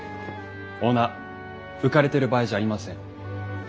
オーナー浮かれてる場合じゃありません。